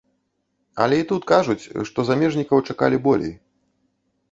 Але і тут кажуць, што замежнікаў чакалі болей.